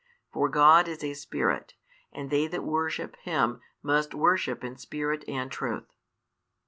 For God is a Spirit, and they that worship Him, must worship in Spirit and truth.